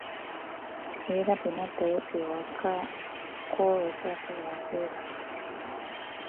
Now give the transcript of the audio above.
Era bwe naddayo eka kw'olwo saasobola kwebaka.